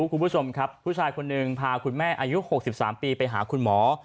คุณผู้ชมครับผู้ชายคนหนึ่งพาคุณแม่อายุ๖๓ปีไปหาคุณหมอ